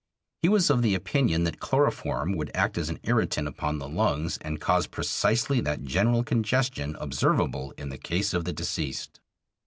He was of the opinion that chloroform would act as an irritant upon the lungs and cause precisely that general congestion observable in the case of the deceased.